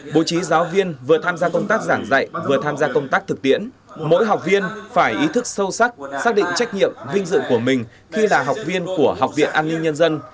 bố trí giáo viên vừa tham gia công tác giảng dạy vừa tham gia công tác thực tiễn mỗi học viên phải ý thức sâu sắc xác định trách nhiệm vinh dự của mình khi là học viên của học viện an ninh nhân dân